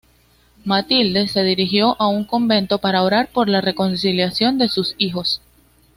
Matilde se dirigió a un convento para orar por la reconciliación de sus hijos.